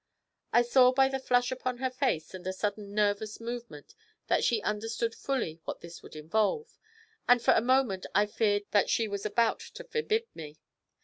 I saw by the flush upon her face and a sudden nervous movement, that she understood fully what this would involve, and for a moment I feared that she was about to forbid me.